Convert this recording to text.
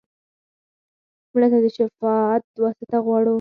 مړه ته د شفاعت واسطه غواړو